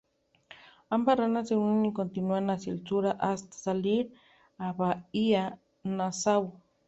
Ambas ramas se unen y continúan hacia el sur hasta salir a bahía Nassau.